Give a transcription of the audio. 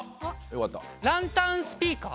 ランタンスピーカー？